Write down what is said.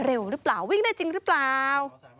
เร็วหรือเปล่าวิ่งได้จริงหรือเปล่า